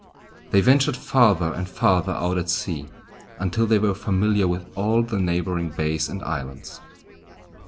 They ventured farther and farther out at sea, until they were familiar with all the neighboring bays and islands.